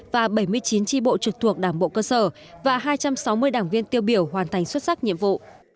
và bảy mươi chín tri bộ trực thuộc đảng bộ cơ sở và hai trăm sáu mươi đảng viên tiêu biểu hoàn thành xuất sắc nhiệm vụ